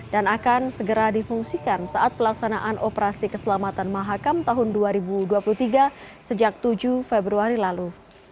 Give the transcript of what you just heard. dan akan segera difungsikan saat pelaksanaan operasi keselamatan mahakam tahun dua ribu dua puluh tiga sejak tujuh februari lalu